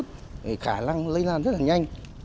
thì khả năng lây lan rất là nhanh